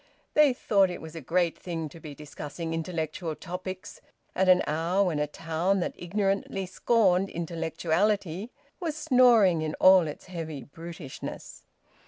They thought it was a great thing to be discussing intellectual topics at an hour when a town that ignorantly scorned intellectuality was snoring in all its heavy brutishness.